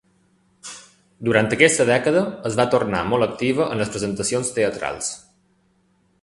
Durant aquesta dècada es va tornar molt activa en les presentacions teatrals.